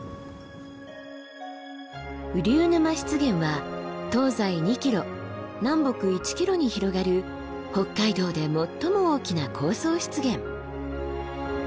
雨竜沼湿原は東西２ｋｍ南北１ｋｍに広がる北海道で最も大きな高層湿原。